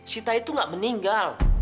sita itu gak meninggal